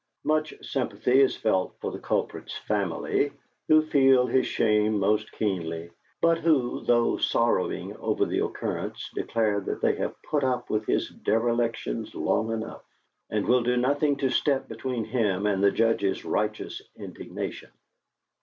Much sympathy is felt for the culprit's family, who feel his shame most keenly, but who, though sorrowing over the occurrence, declare that they have put up with his derelictions long enough, and will do nothing to step between him and the Judge's righteous indignation."